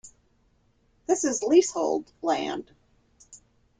This is leasehold land.